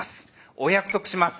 お約束します。